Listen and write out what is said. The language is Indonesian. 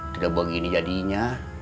tidak begini jadinya